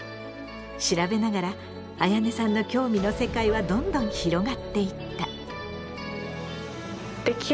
調べながらあやねさんの興味の世界はどんどん広がっていった。